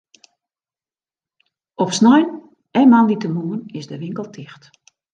Op snein en moandeitemoarn is de winkel ticht.